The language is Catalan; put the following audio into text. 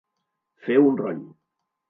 Fer un roll.